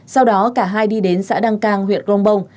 sau đó cả hai đi đến xã đăng cang huyện crong bong